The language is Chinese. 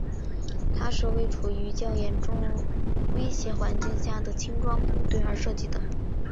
它是为处于较严重威胁环境下的轻装部队而设计的。